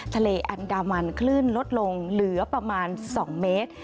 ทะเลอันดามันคลื่นลดลงเหลือประมาณ๒เมตร